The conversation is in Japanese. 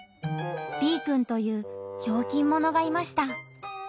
Ｂくんというひょうきんものがいました。